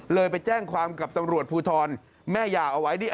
ไปแจ้งความกับตำรวจภูทรแม่ยาเอาไว้นี่